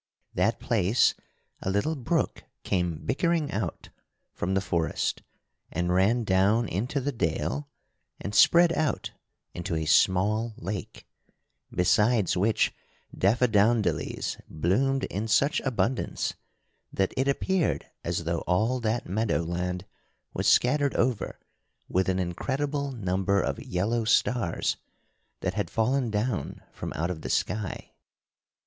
That place a little brook came bickering out from the forest and ran down into the dale and spread out into a small lake, besides which daffadowndillys bloomed in such abundance that it appeared as though all that meadow land was scattered over with an incredible number of yellow stars that had fallen down from out of the sky.